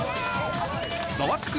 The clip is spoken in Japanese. ザワつく！